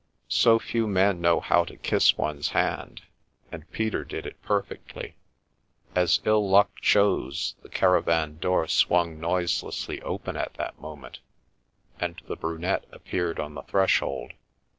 So few men know how to kiss one's hand, and Peter did it perfectly. As ill luck chose, the caravan door swung noiselessly open at that moment, and the Brunette appeared on the threshold.